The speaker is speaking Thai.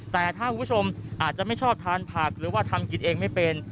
แต่ถ้าคุณผู้ชมอาจจะไม่ชอบทานผักหรือว่าทำกินเองไม่เป็น